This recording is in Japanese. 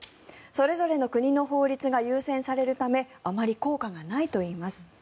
それぞれの国の法律が優先されるためあまり効果がないといいます。